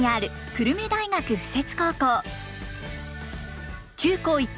久留米大学附設